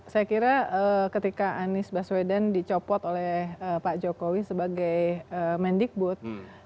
saya kira ketika anies baswedan dicopot oleh pak jokowi sebagai mendikbud